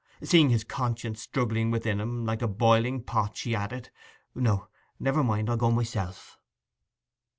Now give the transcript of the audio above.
Seeing his conscience struggling within him like a boiling pot, she added, 'No, never mind, I'll go myself.